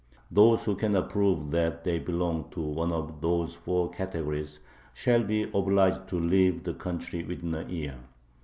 Those who cannot prove that they belong to one of these four categories shall be obliged to leave the country within a year.